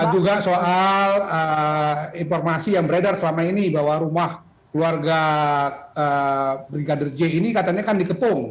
juga soal informasi yang beredar selama ini bahwa rumah keluarga brigadir j ini katanya kan dikepung